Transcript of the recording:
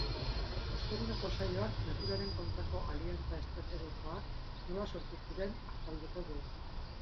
Osteguneko saioak naturaren kontrako aliantza estrategikoak nola sortu ziren azalduko du.